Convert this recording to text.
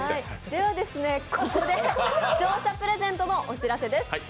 では、ここで視聴者プレゼントのお知らせです。